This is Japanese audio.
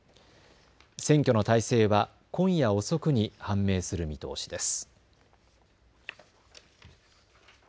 選挙の大勢は今夜遅くに判明する見通しです。